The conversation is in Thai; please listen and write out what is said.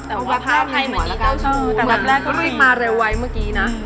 แต่เว็บแรกเค้าไม่มาเลยไว้เมื่อกี้นะ